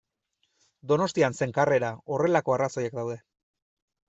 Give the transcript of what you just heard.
Donostian zen karrera, horrelako arrazoiak daude.